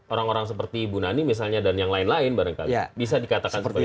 orang orang seperti ibu nani misalnya dan yang lain lain barangkali bisa dikatakan seperti itu